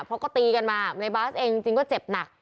เพราะก็ตีกันมาในบาสเองจริงก็เจ็บหนัก